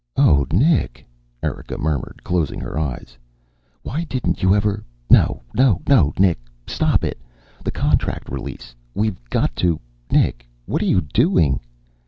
"Oh, Nick," Erika murmured, closing her eyes. "Why didn't you ever no, no, no! Nick! Stop it! The contract release. We've got to Nick, what are you doing?"